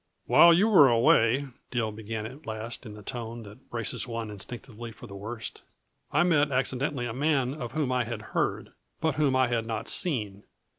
"While you were away," Dill began at last in the tone that braces one instinctively for the worst, "I met accidentally a man of whom I had heard, but whom I had not seen.